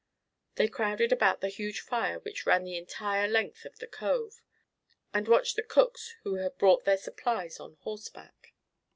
They crowded about the huge fire which ran the entire length of the cove, and watched the cooks who had brought their supplies on horseback.